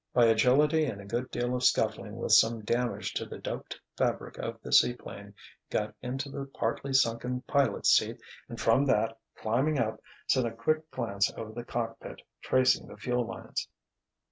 By agility and a good deal of scuffling with some damage to the doped fabric of the seaplane, he got into the partly sunken pilot's seat and from that, climbing up, sent a quick glance over the cockpit, tracing the fuel lines.